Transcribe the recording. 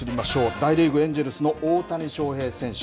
大リーグ・エンジェルスの大谷翔平選手。